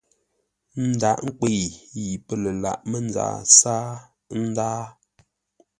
Ndághʼ nkwə̂i yi pə́ lə lǎghʼ mənzaa sáa, ə́ ndáa.